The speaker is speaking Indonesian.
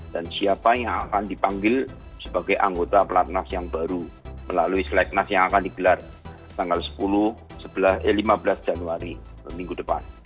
dan siapa yang akan dipanggil sebagai anggota pelatnas yang baru melalui selatnas yang akan digelar tanggal sepuluh lima belas januari minggu depan